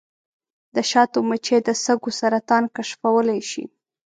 د شاتو مچۍ د سږو سرطان کشفولی شي.